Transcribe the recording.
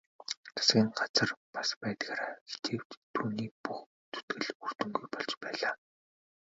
Засгийн газар бас байдгаараа хичээвч түүний бүх зүтгэл үр дүнгүй болж байлаа.